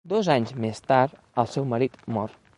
Dos anys més tard el seu marit mor.